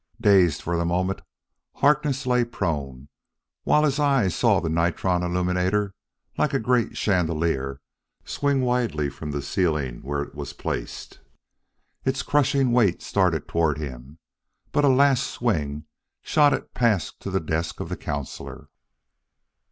Dazed for the moment, Harkness lay prone, while his eyes saw the nitron illuminator, like a great chandelier, swing widely from the ceiling where it was placed. Its crushing weight started toward him, but a last swing shot it past to the desk of the counsellor.